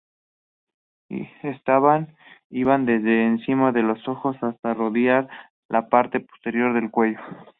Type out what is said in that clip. Estas iban desde encima de los ojos hasta rodear la parte posterior del cuello.